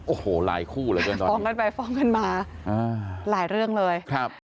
โอ้โหหลายคู่เลยตอนนี้ฟ้องกันไปฟ้องกันมาหลายเรื่องเลย